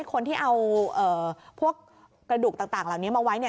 คนที่เอาพวกกระดูกต่างเหล่านี้มาไว้